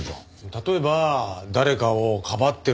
例えば誰かをかばってるとか。